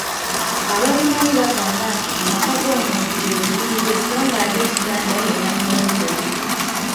Ababimanyi bagamba nti amaka g‘omuntu lwe Lubiri lwe so ng‘ate ekitanda ye Nnamulondoye.